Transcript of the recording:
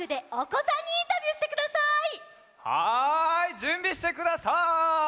じゅんびしてください。